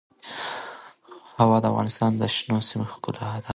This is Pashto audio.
هوا د افغانستان د شنو سیمو ښکلا ده.